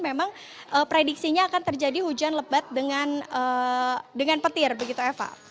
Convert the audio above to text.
memang prediksinya akan terjadi hujan lebat dengan petir begitu eva